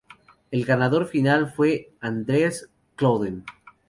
El ganador final fue Andreas Klöden.